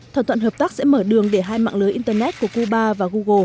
thỏa thuận hợp tác sẽ mở đường để hai mạng lưới internet của cuba và google